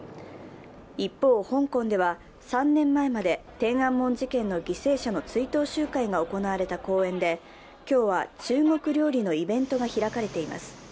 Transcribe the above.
一方、香港では、３年前まで天安門事件の犠牲者の追悼集会が行われた公園で今日は中国料理のイベントが開かれています。